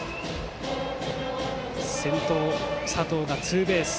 先頭、佐藤がツーベース。